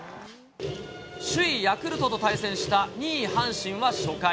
首位ヤクルトと対戦した２位阪神は初回。